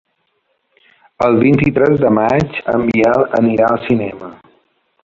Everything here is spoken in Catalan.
El vint-i-tres de maig en Biel anirà al cinema.